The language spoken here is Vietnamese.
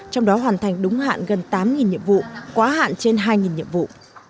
trong đó hoàn thành đúng hạn gần tám nhiệm vụ quá hạn trên hai nhiệm vụ